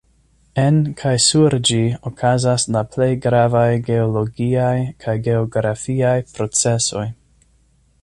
En kaj sur ĝi okazas la plej gravaj geologiaj kaj geografiaj procesoj.